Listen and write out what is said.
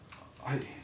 はい。